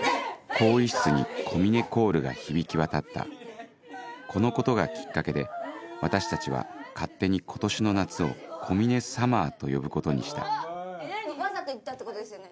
更衣室に小峰コールが響き渡ったこのことがキッカケで私たちは勝手に今年の夏を「小峰サマー」と呼ぶことにしたわざと行ったってことですよね？